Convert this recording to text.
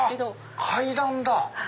階段だ！